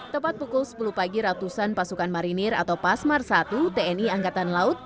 tepat pukul sepuluh pagi ratusan pasukan marinir atau pasmar i tni angkatan laut